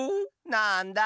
なんだ。